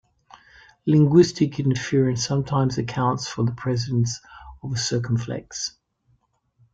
Linguistic interference sometimes accounts for the presence of a circumflex.